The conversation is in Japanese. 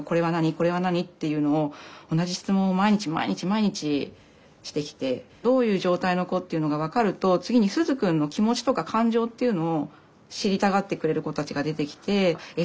これは何？っていうのを同じ質問を毎日毎日毎日してきてどういう状態の子っていうのが分かると次にすずくんの気持ちとか感情っていうのを知りたがってくれる子たちが出てきて「え？